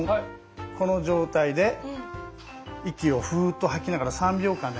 この状態で息をふっと吐きながら３秒間で。